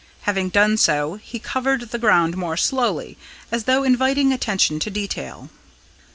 Having done so, he covered the ground more slowly, as though inviting attention to detail.